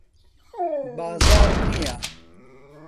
بازاڕ نییە.